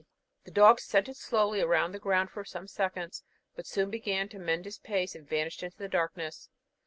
The dog scented slowly about on the ground for some seconds, but soon began to mend his pace, and vanished in the darkness.